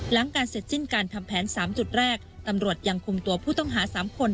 หลังการเสร็จสิ้นการทำแผน๓จุดแรกตำรวจยังคุมตัวผู้ต้องหา๓คน